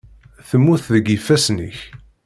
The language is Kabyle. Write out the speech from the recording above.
Temmut deg yifassen-ik.